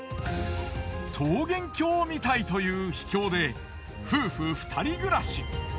桃源郷みたいという秘境で夫婦二人暮らし。